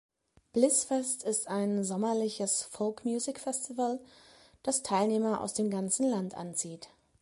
Blissfest ist ein sommerliches Folk Music-Festival, das Teilnehmer aus dem ganzen Land anzieht.